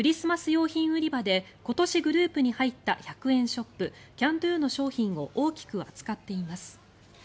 用品売り場で今年、グループに入った１００円ショップキャンドゥの商品を大きく扱っています。